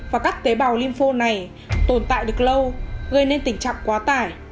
và các tế bào lymphone này tồn tại được lâu gây nên tình trạng quá tải